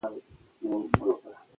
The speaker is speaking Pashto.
پوهه د ټولنیزو ستونزو د حل توان لري.